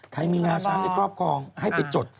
ใครมีงาช้างในครอบครองให้ไปจดสิ